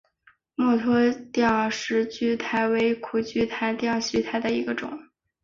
墨脱吊石苣苔为苦苣苔科吊石苣苔属下的一个种。